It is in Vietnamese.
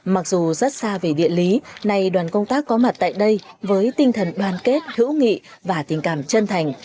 mặc dù rất xa về địa lý nay đoàn công tác có mặt tại đây với tinh thần đoàn kết hữu nghị và tình cảm chân thành